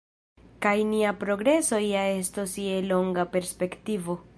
Kaj nia progreso ja estos je longa perspektivo.